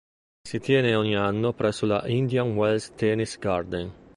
Si tiene ogni anno presso la Indian Wells Tennis Garden.